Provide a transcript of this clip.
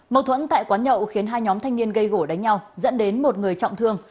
mâu thuẫn tại quán nhậu khiến hai nhóm thanh niên gây gỗ đánh nhau dẫn đến một người trọng thương